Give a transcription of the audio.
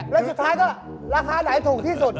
แล้วสุดท้ายก็ราคาไหนถูกที่สุด